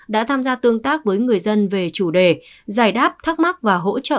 đã tham gia tương tác với người dân về chủ đề giải đáp thắc mắc và hỗ trợ